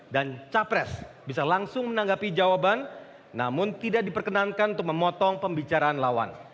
dan capres bisa langsung menanggapi jawaban namun tidak diperkenankan untuk memotong pembicaraan lawan